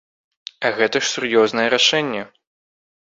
А гэта ж сур'ёзнае рашэнне!